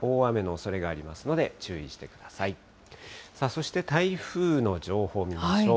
そして台風の情報を見ましょう。